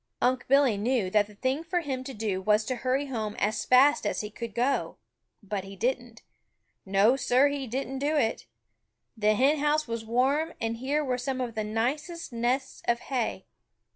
Unc' Billy knew that the thing for him to do was to hurry home as fast as he could go, but he didn't. No, Sir, he didn't do it. The hen house was warm and here were some of the nicest nests of hay.